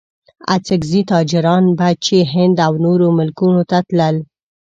اڅګزي تاجران به چې هند او نورو ملکونو ته تلل.